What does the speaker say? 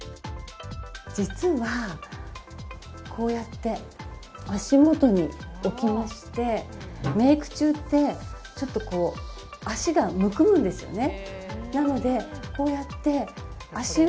実はこうやって足元に置きましてメイク中って、ちょっと足がむくむんですよね。